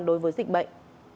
đối với dịch bệnh